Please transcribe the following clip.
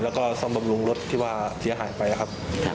แล้วก็ซ่อมบำรุงรถที่ว่าเสียหายไปครับ